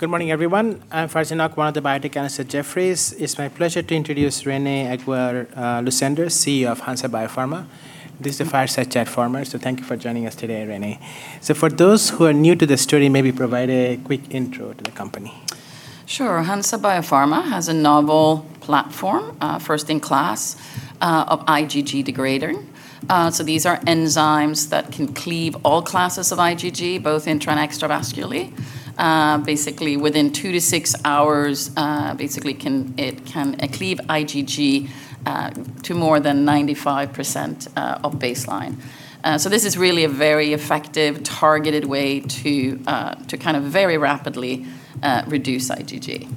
Good morning, everyone. I'm Farzin Haque of the biotech analyst at Jefferies. It's my pleasure to introduce Renée Aguiar-Lucander, CEO of Hansa Biopharma. This is the fireside chat format, so thank you for joining us today, Renée. For those who are new to the story, maybe provide a quick intro to the company. Sure. Hansa Biopharma has a novel platform, first in class, of IgG degrader. These are enzymes that can cleave all classes of IgG, both intra and extravascularly. Basically within two to six hours, it can cleave IgG to more than 95% of baseline. This is really a very effective, targeted way to very rapidly reduce IgG.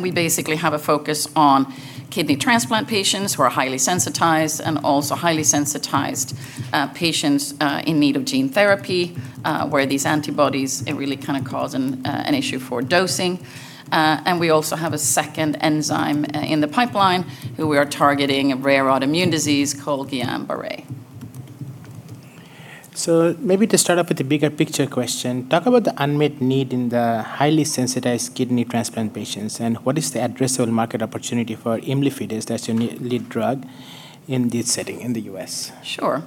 We basically have a focus on kidney transplant patients who are highly sensitized, and also highly sensitized patients in need of gene therapy, where these antibodies really cause an issue for dosing. We also have a second enzyme in the pipeline, who we are targeting a rare autoimmune disease called Guillain-Barré. Maybe to start off with the bigger picture question, talk about the unmet need in the highly sensitized kidney transplant patients, and what is the addressable market opportunity for imlifidase, that's your lead drug, in this setting in the U.S.? Sure.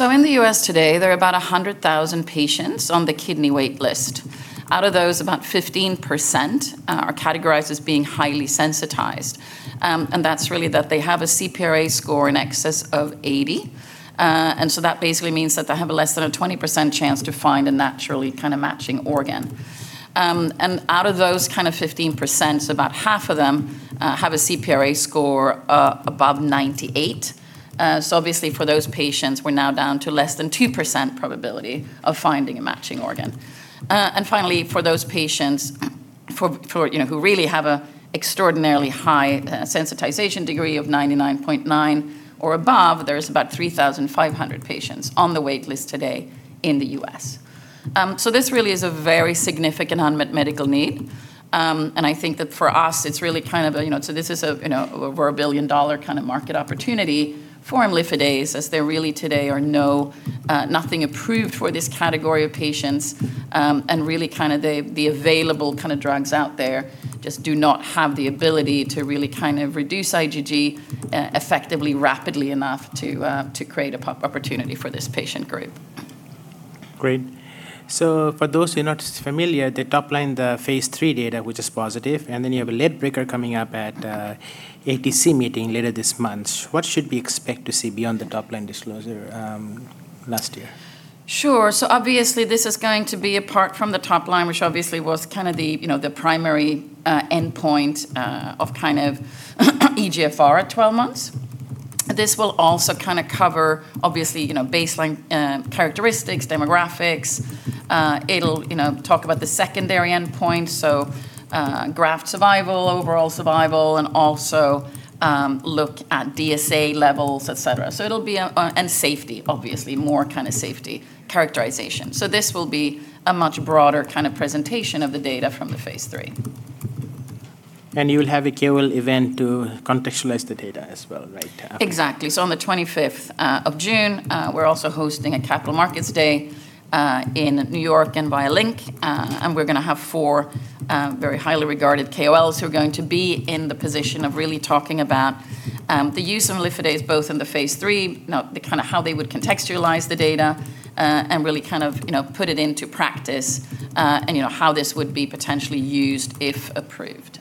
In the U.S. today, there are about 100,000 patients on the kidney wait list. Out of those, about 15% are categorized as being highly sensitized. That's really that they have a cPRA score in excess of 80. That basically means that they have a less than a 20% chance to find a naturally matching organ. Out of those 15%, about half of them have a cPRA score above 98. Obviously for those patients, we're now down to less than 2% probability of finding a matching organ. Finally, for those patients who really have an extraordinarily high sensitization degree of 99.9 or above, there's about 3,500 patients on the wait list today in the U.S. This really is a very significant unmet medical need. I think that for us, this is over a $1 billion market opportunity for imlifidase, as there really today are nothing approved for this category of patients. Really the available drugs out there just do not have the ability to really reduce IgG effectively rapidly enough to create a opportunity for this patient group. Great. For those who are not familiar, they top-lined the phase III data, which is positive, and then you have a late breaker coming up at ATC meeting later this month. What should we expect to see beyond the top line disclosure last year? Sure. Obviously this is going to be apart from the top line, which obviously was the primary endpoint of eGFR at 12 months. This will also cover obviously baseline characteristics, demographics. It'll talk about the secondary endpoint, graft survival, overall survival, and also look at DSA levels, et cetera. Safety, obviously, more safety characterization. This will be a much broader presentation of the data from the phase III. You'll have a KOL event to contextualize the data as well, right? Exactly. On the 25th of June, we're also hosting a capital markets day in New York and via link. We're going to have four very highly regarded KOLs who are going to be in the position of really talking about the use of imlifidase both in the phase III, how they would contextualize the data, and really put it into practice, and how this would be potentially used, if approved.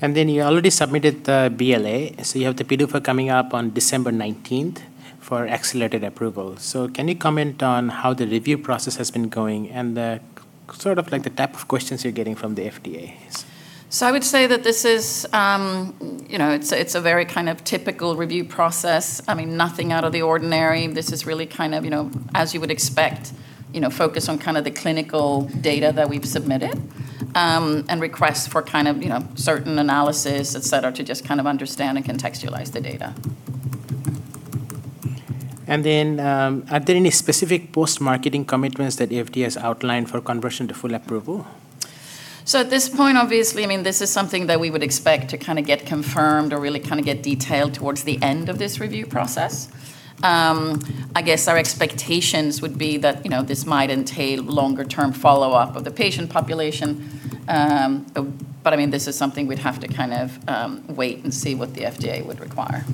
You already submitted the BLA. You have the PDUFA coming up on December 19th for accelerated approval. Can you comment on how the review process has been going and the type of questions you are getting from the FDA? I would say that it's a very typical review process. Nothing out of the ordinary. This is really, as you would expect, focused on the clinical data that we've submitted, and requests for certain analysis, et cetera, to just understand and contextualize the data. Are there any specific post-marketing commitments that the FDA has outlined for conversion to full approval? At this point, obviously, this is something that we would expect to get confirmed or really get detailed towards the end of this review process. I guess our expectations would be that this might entail longer term follow-up of the patient population. This is something we'd have to wait and see what the FDA would require.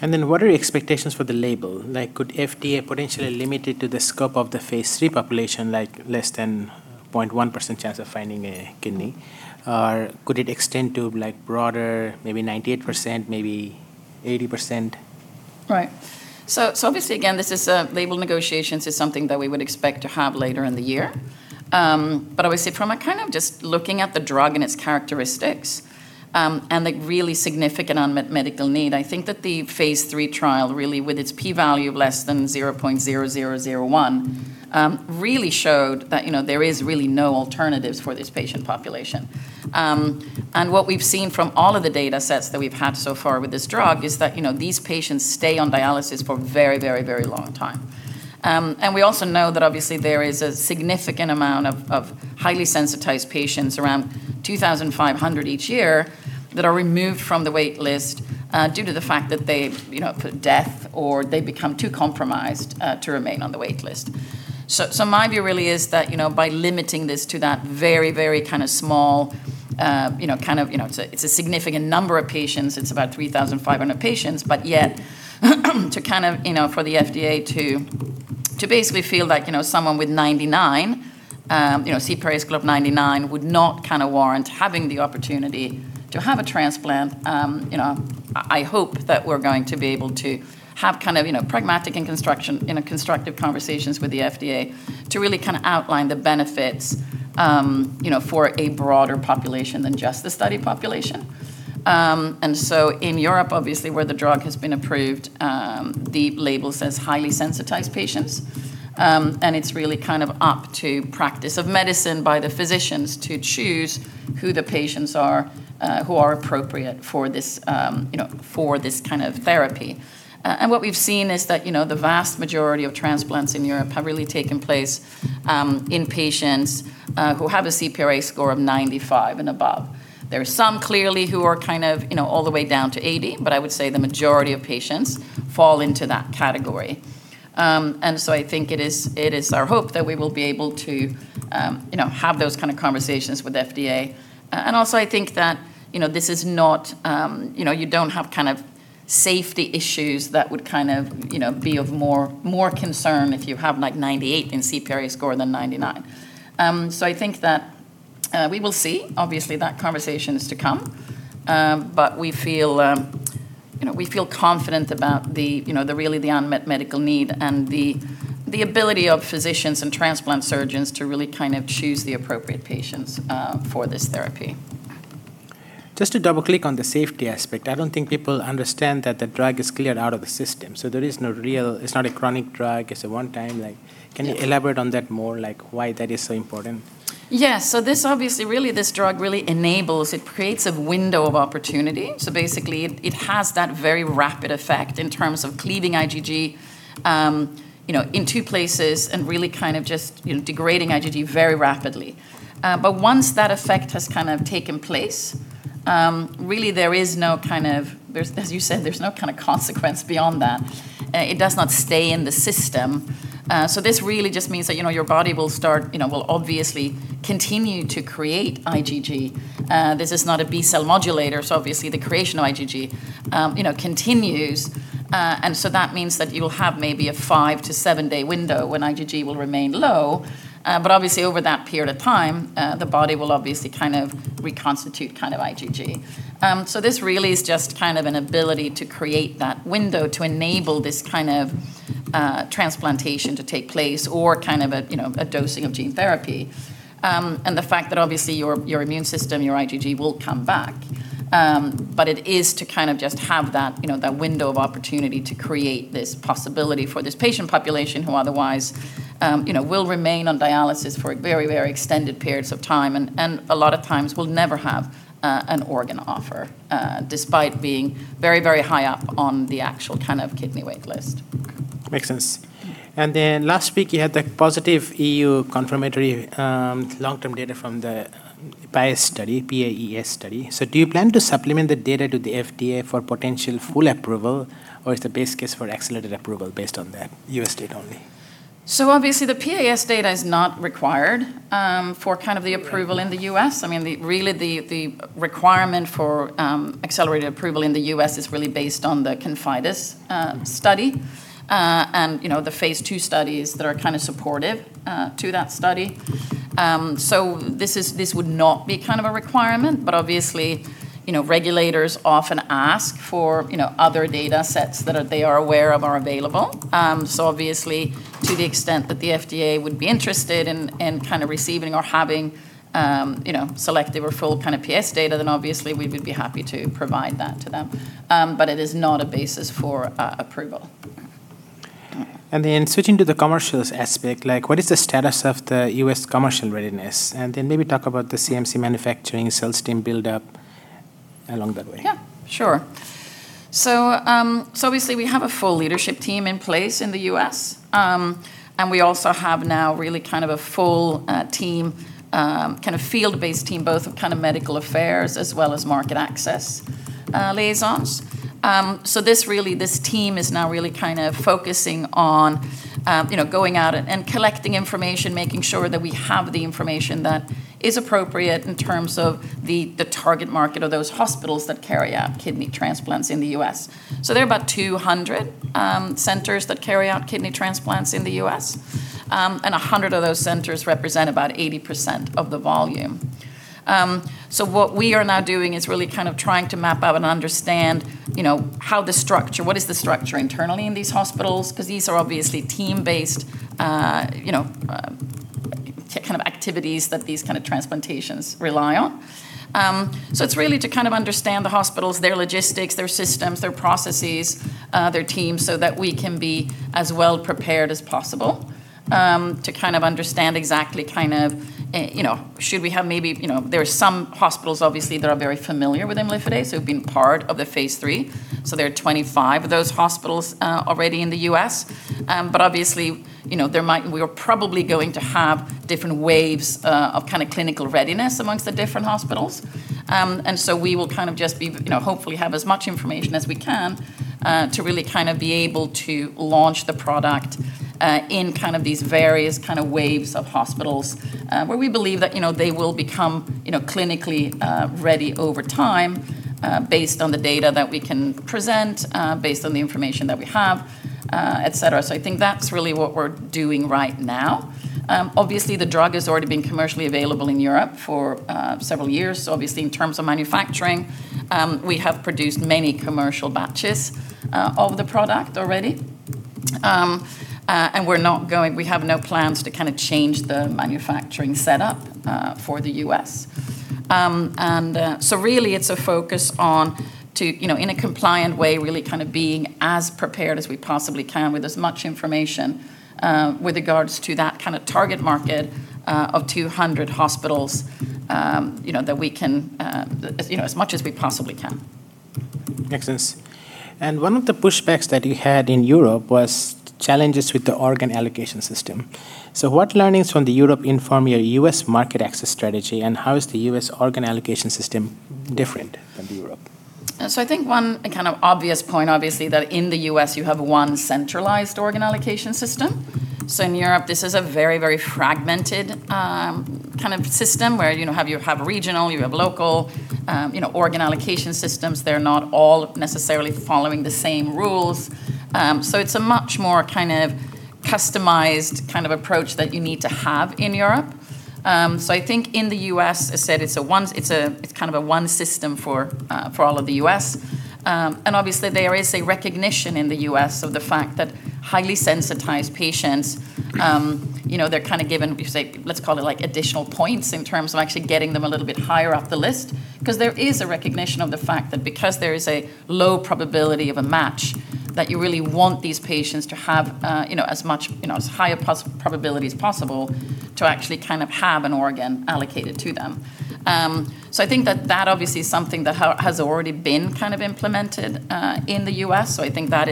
What are your expectations for the label? Could FDA potentially limit it to the scope of the phase III population, like less than 0.1% chance of finding a kidney? Could it extend to broader, maybe 98%, maybe 80%? Right. Obviously again, label negotiations is something that we would expect to have later in the year. Obviously from a just looking at the drug and its characteristics, and the really significant unmet medical need, I think that the phase III trial really with its P value of less than 0.0001, really showed that there is really no alternatives for this patient population. What we've seen from all of the data sets that we've had so far with this drug is that these patients stay on dialysis for very long time. We also know that obviously there is a significant amount of highly sensitized patients, around 2,500 each year, that are removed from the wait list due to the fact that they've died or they become too compromised to remain on the wait list. My view really is that by limiting this to that very small. It's a significant number of patients, it's about 3,500 patients, but yet for the FDA to basically feel like someone with 99, cPRA score of 99 would not warrant having the opportunity to have a transplant. I hope that we're going to be able to have pragmatic and constructive conversations with the FDA to really outline the benefits for a broader population than just the study population. In Europe, obviously, where the drug has been approved, the label says highly sensitized patients, and it's really up to practice of medicine by the physicians to choose who the patients are who are appropriate for this kind of therapy. What we've seen is that the vast majority of transplants in Europe have really taken place in patients who have a cPRA score of 95 and above. There are some clearly who are all the way down to 80, but I would say the majority of patients fall into that category. I think it is our hope that we will be able to have those kind of conversations with FDA. Also, I think that you don't have safety issues that would be of more concern if you have 98 in cPRA score than 99. I think that we will see. Obviously, that conversation is to come. We feel confident about really the unmet medical need and the ability of physicians and transplant surgeons to really choose the appropriate patients for this therapy. Just to double-click on the safety aspect, I don't think people understand that the drug is cleared out of the system. It's not a chronic drug. It's a one-time. Yeah. Can you elaborate on that more, why that is so important? This obviously, really, this drug really enables, it creates a window of opportunity. Basically, it has that very rapid effect in terms of cleaving IgG in two places and really just degrading IgG very rapidly. Once that effect has taken place, really there is no, as you said, there's no consequence beyond that. It does not stay in the system. This really just means that your body will obviously continue to create IgG. This is not a B-cell modulator, so obviously the creation of IgG continues. That means that you'll have maybe a five- to seven-day window when IgG will remain low. Obviously over that period of time, the body will obviously reconstitute IgG. This really is just an ability to create that window to enable this kind of transplantation to take place or a dosing of gene therapy. The fact that obviously your immune system, your IgG will come back, but it is to kind of just have that window of opportunity to create this possibility for this patient population who otherwise will remain on dialysis for very extended periods of time and a lot of times will never have an organ offer, despite being very high up on the actual kidney wait list. Makes sense. Last week you had the positive EU confirmatory long-term data from the PAES study, P-A-E-S study. Do you plan to supplement the data to the FDA for potential full approval, or is the base case for accelerated approval based on the U.S. data only? Obviously, the PAES data is not required for the approval in the U.S. Really, the requirement for accelerated approval in the U.S. is really based on the ConfIdeS study, and the phase II studies that are supportive to that study. This would not be a requirement, but obviously, regulators often ask for other data sets that they are aware of are available. Obviously, to the extent that the FDA would be interested in receiving or having selective or full PAES data, obviously we would be happy to provide that to them. It is not a basis for approval. Switching to the commercials aspect, what is the status of the U.S. commercial readiness? Maybe talk about the CMC manufacturing, sales team build-up along that way. Sure. Obviously we have a full leadership team in place in the U.S., and we also have now really a full field-based team, both of medical affairs as well as market access liaisons. This team is now really focusing on going out and collecting information, making sure that we have the information that is appropriate in terms of the target market or those hospitals that carry out kidney transplants in the U.S. There are about 200 centers that carry out kidney transplants in the U.S., and 100 of those centers represent about 80% of the volume. What we are now doing is really trying to map out and understand what is the structure internally in these hospitals, because these are obviously team-based kind of activities that these kind of transplantations rely on. It's really to understand the hospitals, their logistics, their systems, their processes, their teams, so that we can be as well prepared as possible to understand exactly. There are some hospitals, obviously, that are very familiar with imlifidase, so have been part of the phase III. There are 25 of those hospitals already in the U.S. Obviously we are probably going to have different waves of clinical readiness amongst the different hospitals. We will hopefully have as much information as we can to really be able to launch the product in these various waves of hospitals where we believe that they will become clinically ready over time based on the data that we can present, based on the information that we have, et cetera. I think that's really what we're doing right now. Obviously, the drug has already been commercially available in Europe for several years, so obviously in terms of manufacturing, we have produced many commercial batches of the product already. We have no plans to change the manufacturing setup for the U.S. Really, it's a focus on, in a compliant way, really being as prepared as we possibly can with as much information with regards to that kind of target market of 200 hospitals, as much as we possibly can. Makes sense. One of the pushbacks that you had in Europe was challenges with the organ allocation system. What learnings from Europe inform your U.S. market access strategy, and how is the U.S. organ allocation system different from Europe? I think one obvious point, obviously, that in the U.S. you have one centralized organ allocation system. In Europe, this is a very, very fragmented kind of system where you have regional, you have local organ allocation systems. They're not all necessarily following the same rules. It's a much more customized kind of approach that you need to have in Europe. I think in the U.S., as I said, it's kind of a one system for all of the U.S. Obviously there is a recognition in the U.S. of the fact that highly sensitized patients, they're given, let's call it additional points in terms of actually getting them a little bit higher up the list. Because there is a recognition of the fact that because there is a low probability of a match, that you really want these patients to have as high a probability as possible to actually have an organ allocated to them. I think that that obviously is something that has already been implemented in the U.S. I think that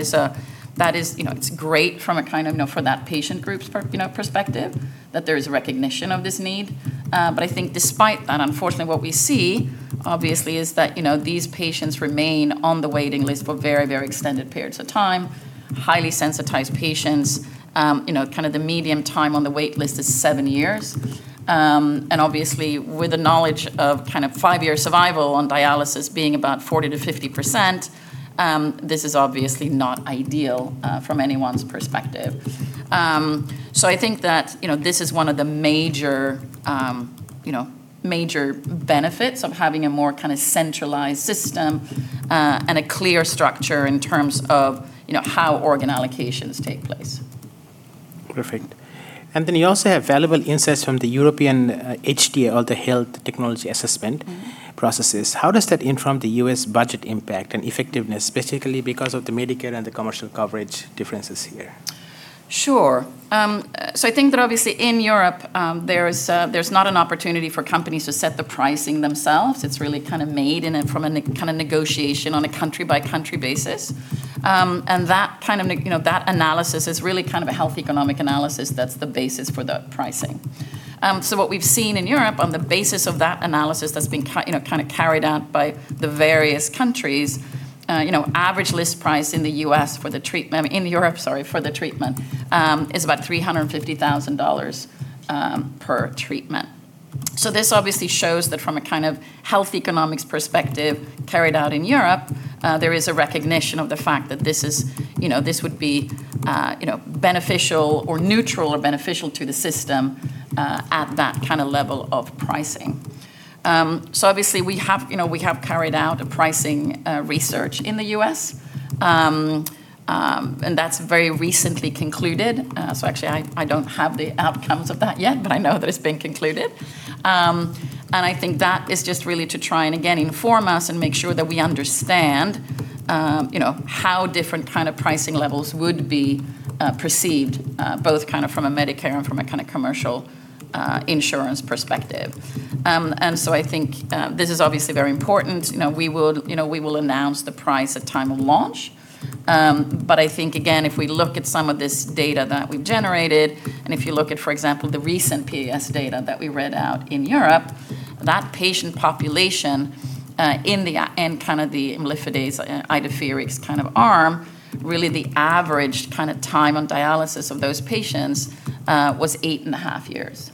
it's great from that patient group's perspective that there is a recognition of this need. I think despite that, unfortunately what we see, obviously, is that these patients remain on the waiting list for very, very extended periods of time. Highly sensitized patients, kind of the median time on the wait list is seven years. Obviously with the knowledge of five-year survival on dialysis being about 40%-50%, this is obviously not ideal from anyone's perspective. I think that this is one of the major benefits of having a more centralized system and a clear structure in terms of how organ allocations take place. Perfect. You also have valuable insights from the European HTA, or the health technology assessment processes. How does that inform the U.S. budget impact and effectiveness, specifically because of the Medicare and the commercial coverage differences here? Sure. I think that obviously in Europe, there's not an opportunity for companies to set the pricing themselves. It's really made from a negotiation on a country-by-country basis. That analysis is really a health economic analysis that's the basis for the pricing. What we've seen in Europe on the basis of that analysis that's been carried out by the various countries, average list price in Europe for the treatment is about EUR 350,000 per treatment. This obviously shows that from a kind of health economics perspective carried out in Europe, there is a recognition of the fact that this would be beneficial or neutral or beneficial to the system at that level of pricing. Obviously we have carried out a pricing research in the U.S., and that's very recently concluded. Actually, I don't have the outcomes of that yet, but I know that it's been concluded. I think that is just really to try and again inform us and make sure that we understand how different pricing levels would be perceived both from a Medicare and from a commercial insurance perspective. I think this is obviously very important. We will announce the price at time of launch. I think, again, if we look at some of this data that we've generated, and if you look at, for example, the recent PAES data that we read out in Europe, that patient population in the imlifidase, Idefirix arm, really the average time on dialysis of those patients was eight and a half years.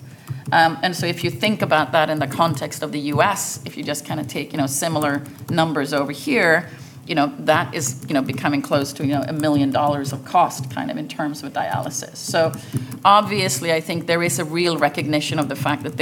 If you think about that in the context of the U.S., if you just take similar numbers over here, that is becoming close to $1 million of cost in terms of dialysis. Obviously I think there is a real recognition of the fact that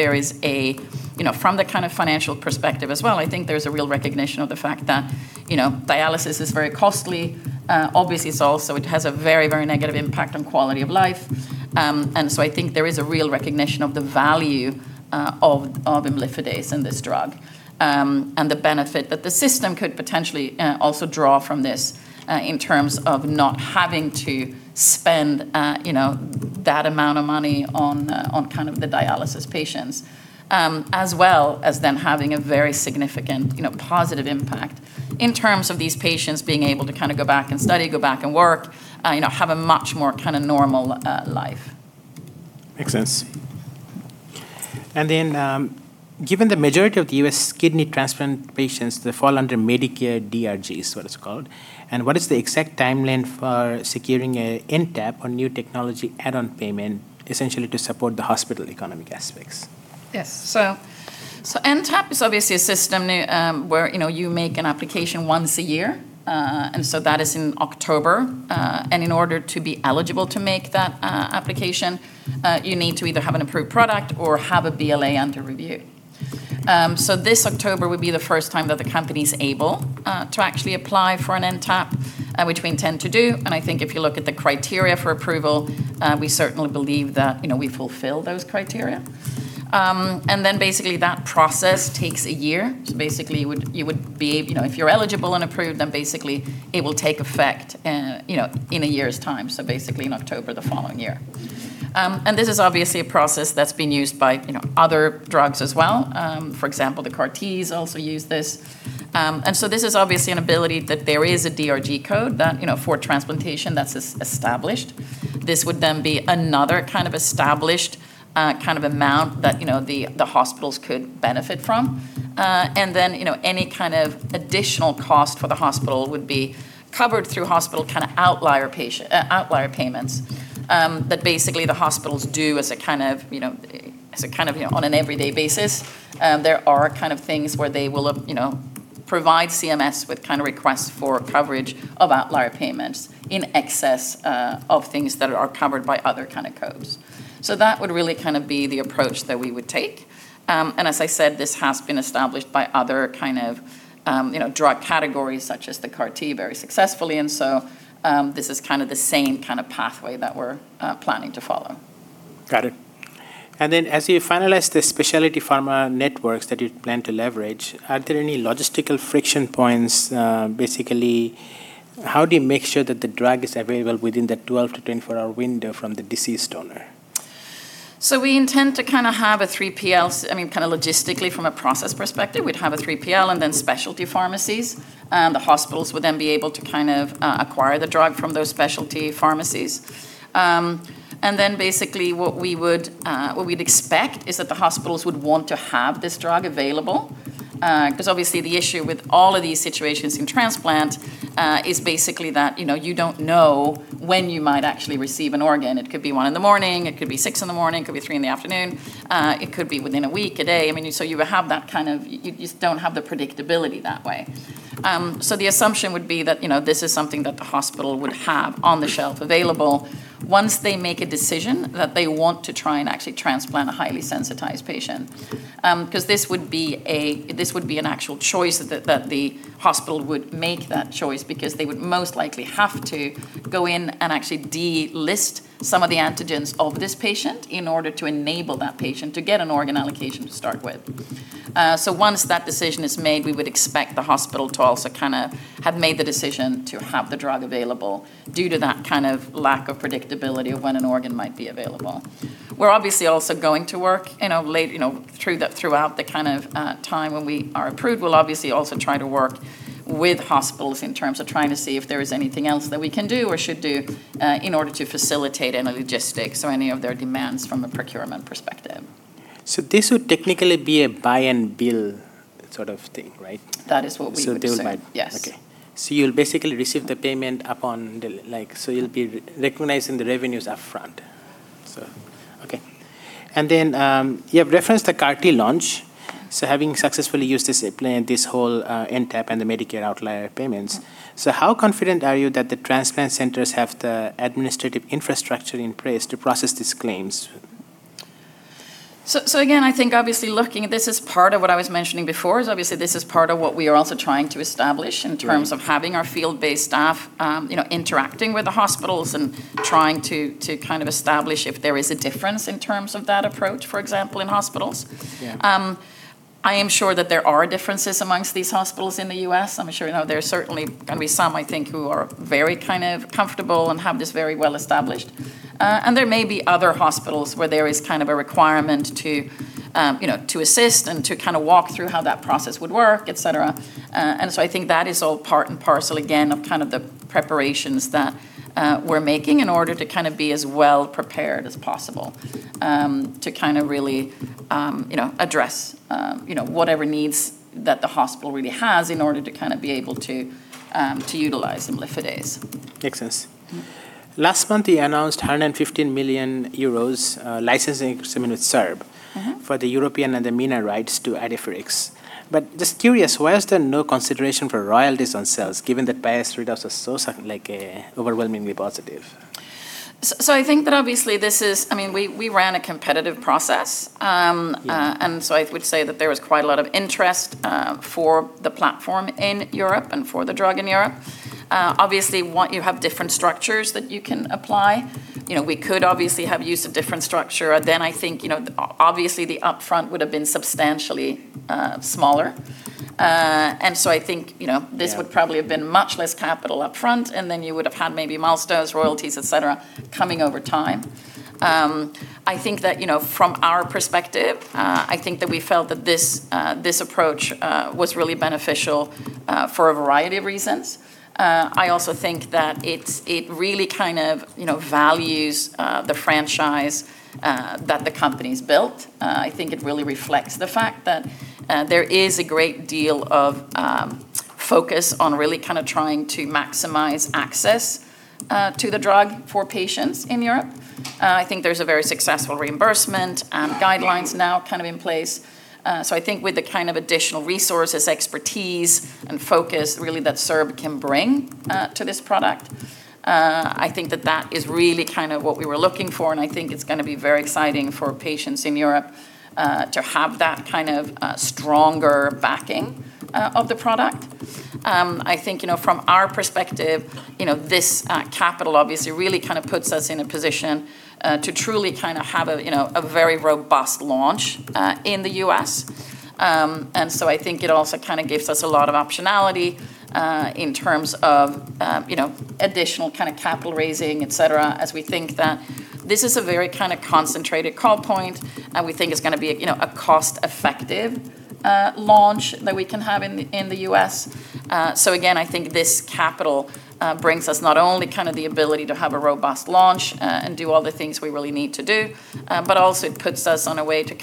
from the financial perspective as well, dialysis is very costly. Obviously, it has a very, very negative impact on quality of life. I think there is a real recognition of the value of imlifidase and this drug, and the benefit that the system could potentially also draw from this in terms of not having to spend that amount of money on the dialysis patients. As well as having a very significant positive impact in terms of these patients being able to go back and study, go back and work, have a much more normal life. Makes sense. Given the majority of the U.S. kidney transplant patients fall under Medicare DRG is what it's called, and what is the exact timeline for securing a NTAP or new technology add-on payment, essentially to support the hospital economic aspects? Yes. NTAP is obviously a system where you make an application once a year. That is in October. In order to be eligible to make that application, you need to either have an approved product or have a BLA under review. This October would be the first time that the company's able to actually apply for an NTAP, which we intend to do. I think if you look at the criteria for approval, we certainly believe that we fulfill those criteria. Basically that process takes a year. Basically, if you're eligible and approved, then basically it will take effect in a year's time. Basically in October the following year. This is obviously a process that's been used by other drugs as well. For example, the CAR-Ts also use this. This is obviously an ability that there is a DRG code for transplantation that's established. This would be another established amount that the hospitals could benefit from. Any additional cost for the hospital would be covered through hospital outlier payments that basically the hospitals do on an everyday basis. There are things where they will provide CMS with requests for coverage of outlier payments in excess of things that are covered by other codes. That would really be the approach that we would take. As I said, this has been established by other drug categories such as the CAR-T very successfully. This is the same kind of pathway that we're planning to follow. Got it. As you finalize the specialty pharma networks that you plan to leverage, are there any logistical friction points? Basically, how do you make sure that the drug is available within that 12 to 24-hour window from the deceased donor? We intend to have a 3PL, logistically from a process perspective, we'd have a 3PL and then specialty pharmacies. The hospitals would then be able to acquire the drug from those specialty pharmacies. Basically what we'd expect is that the hospitals would want to have this drug available. Because obviously the issue with all of these situations in transplant is basically that you don't know when you might actually receive an organ. It could be 1:00 A.M., it could be 6:00 A.M., it could be 3:00 P.M. It could be within a week, a day. You just don't have the predictability that way. The assumption would be that this is something that the hospital would have on the shelf available once they make a decision that they want to try and actually transplant a highly sensitized patient. This would be an actual choice that the hospital would make that choice because they would most likely have to go in and actually de-list some of the antigens of this patient in order to enable that patient to get an organ allocation to start with. Once that decision is made, we would expect the hospital to also have made the decision to have the drug available due to that lack of predictability of when an organ might be available. We're obviously also going to work throughout the time when we are approved. We'll obviously also try to work with hospitals in terms of trying to see if there is anything else that we can do or should do in order to facilitate any logistics or any of their demands from a procurement perspective. This would technically be a buy and bill sort of thing, right? That is what we would say. They will buy. Yes. Okay. You'll be recognizing the revenues upfront. Okay. You have referenced the CAR-T launch. Having successfully used this whole NTAP and the Medicare outlier payments, so how confident are you that the transplant centers have the administrative infrastructure in place to process these claims? Again, I think obviously looking at this as part of what I was mentioning before is obviously this is part of what we are also trying to establish in terms of having our field-based staff interacting with the hospitals and trying to establish if there is a difference in terms of that approach, for example, in hospitals. Yeah. I am sure that there are differences amongst these hospitals in the U.S. I'm sure there's certainly going to be some, I think, who are very comfortable and have this very well established. There may be other hospitals where there is a requirement to assist and to walk through how that process would work, et cetera. I think that is all part and parcel, again, of the preparations that we're making in order to be as well prepared as possible, to really address whatever needs that the hospital really has in order to be able to utilize imlifidase. Makes sense. Last month you announced 115 million euros licensing agreement with SERB. For the European and the MENA rights to Idefirix. Just curious, why is there no consideration for royalties on sales, given that past readouts are so overwhelmingly positive? I think that obviously We ran a competitive process. Yeah. I would say that there was quite a lot of interest for the platform in Europe and for the drug in Europe. Obviously, you have different structures that you can apply. We could obviously have used a different structure. I think, obviously the upfront would've been substantially smaller. I think this would probably have been much less capital upfront, and then you would've had maybe milestones, royalties, et cetera, coming over time. I think that, from our perspective, I think that we felt that this approach was really beneficial for a variety of reasons. I also think that it really values the franchise that the company's built. I think it really reflects the fact that there is a great deal of focus on really trying to maximize access to the drug for patients in Europe. I think there's a very successful reimbursement guidelines now in place. I think with the additional resources, expertise, and focus really that SERB can bring to this product, I think that is really what we were looking for, and I think it's going to be very exciting for patients in Europe to have that kind of stronger backing of the product. I think from our perspective, this capital obviously really puts us in a position to truly have a very robust launch in the U.S. I think it also gives us a lot of optionality in terms of additional capital raising, et cetera, as we think that this is a very concentrated call point, and we think is going to be a cost-effective launch that we can have in the U.S. Again, I think this capital brings us not only the ability to have a robust launch and do all the things we really need to do, but also it puts us on a way to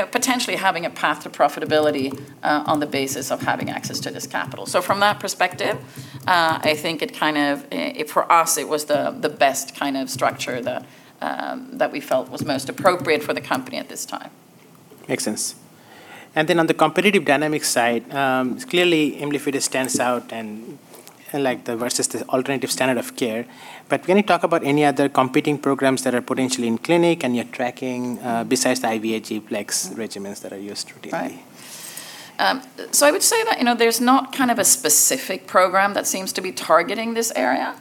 potentially having a path to profitability on the basis of having access to this capital. From that perspective, I think for us, it was the best kind of structure that we felt was most appropriate for the company at this time. Makes sense. On the competitive dynamic side, clearly, imlifidase stands out and versus the alternative standard of care. Can you talk about any other competing programs that are potentially in clinic and you're tracking besides the IVIg PLEX regimens that are used today? Right. I would say that there's not a specific program that seems to be targeting this area.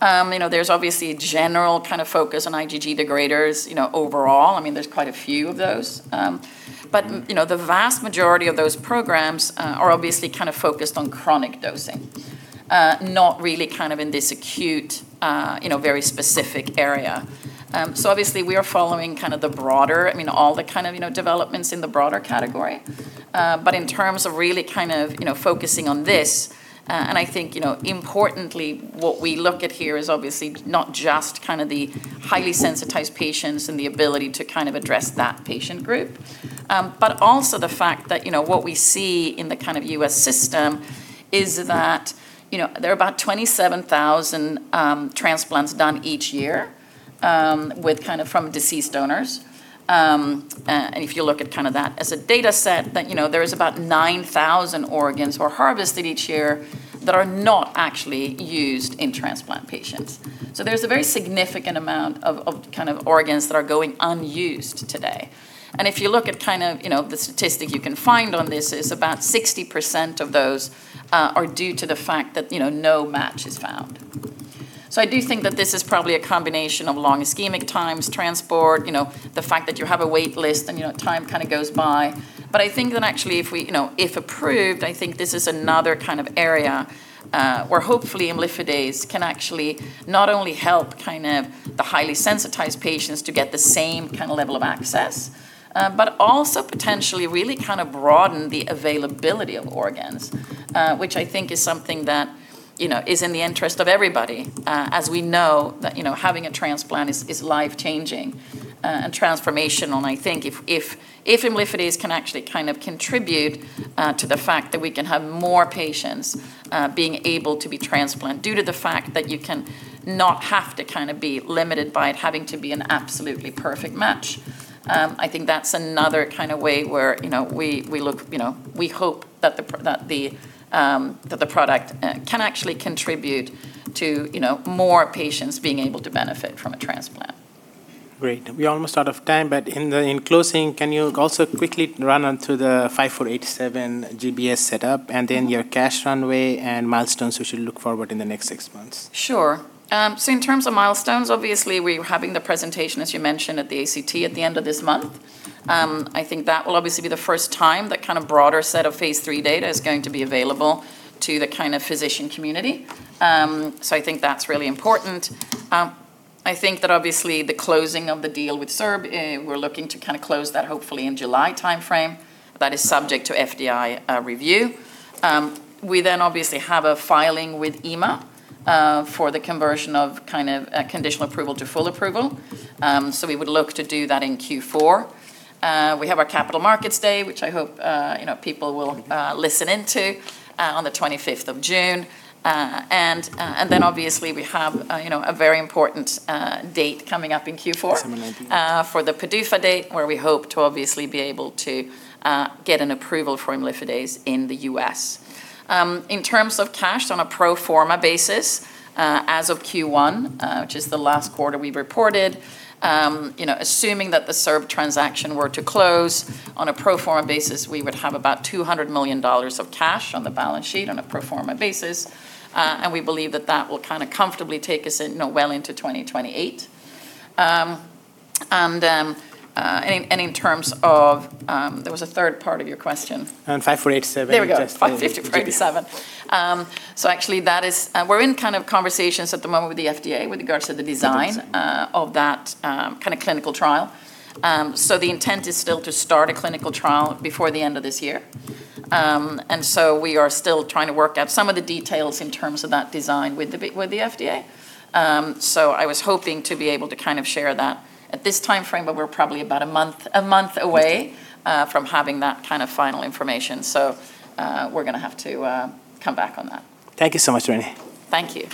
There's obviously a general focus on IgG degraders overall. There's quite a few of those. The vast majority of those programs are obviously focused on chronic dosing, not really in this acute, very specific area. Obviously, we are following the broader, all the developments in the broader category. In terms of really focusing on this, and I think importantly, what we look at here is obviously not just the highly sensitized patients and the ability to address that patient group, but also the fact that what we see in the U.S. system is that there are about 27,000 transplants done each year from deceased donors. If you look at that as a data set, there is about 9,000 organs were harvested each year that are not actually used in transplant patients. There's a very significant amount of organs that are going unused today. If you look at the statistic you can find on this is about 60% of those are due to the fact that no match is found. I do think that this is probably a combination of long ischemic times, transport, the fact that you have a wait list and time goes by. I think that actually if approved, I think this is another area where hopefully imlifidase can actually not only help the highly sensitized patients to get the same level of access, but also potentially really broaden the availability of organs, which I think is something that is in the interest of everybody, as we know that having a transplant is life changing and transformational. I think if imlifidase can actually contribute to the fact that we can have more patients being able to be transplant due to the fact that you can not have to be limited by it having to be an absolutely perfect match, I think that's another way where we hope that the product can actually contribute to more patients being able to benefit from a transplant. Great. We're almost out of time, but in closing, can you also quickly run through the HNSA-5487 GBS setup and then your cash runway and milestones we should look forward in the next six months? Sure. In terms of milestones, obviously, we're having the presentation, as you mentioned, at the ATC at the end of this month. I think that will obviously be the first time that broader set of phase III data is going to be available to the physician community. I think that's really important. I think that obviously the closing of the deal with SERB, we're looking to close that hopefully in July timeframe. That is subject to FDI review. We obviously have a filing with EMA for the conversion of conditional approval to full approval. We would look to do that in Q4. We have our Capital Markets Day, which I hope people will listen into on the 25th of June. Obviously we have a very important date coming up in Q4. December 19th for the PDUFA date where we hope to obviously be able to get an approval for imlifidase in the U.S. In terms of cash on a pro forma basis, as of Q1, which is the last quarter we reported, assuming that the SERB transaction were to close on a pro forma basis, we would have about $200 million of cash on the balance sheet on a pro forma basis. We believe that that will comfortably take us well into 2028. In terms of There was a third part of your question. HNSA-5487. There we go. just for the GBS HNSA-5487. Actually, we're in conversations at the moment with the FDA with regards to the design. Design of that clinical trial. The intent is still to start a clinical trial before the end of this year. We are still trying to work out some of the details in terms of that design with the FDA. I was hoping to be able to share that at this timeframe, but we're probably about a month away from having that final information. We're going to have to come back on that. Thank you so much, Renée. Thank you.